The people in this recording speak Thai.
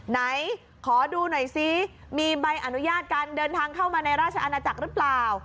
ไหนขอดูหน่อยซิมีใบอนุญาตการเดินทางเข้ามาในราชอาณาจักรหรือเปล่า